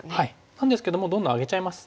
なんですけどもうどんどんあげちゃいます。